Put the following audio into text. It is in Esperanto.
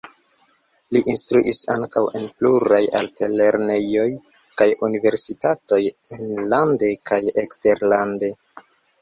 Li instruis ankaŭ en pluraj altlernejoj kaj universitatoj enlande kaj eksterlande.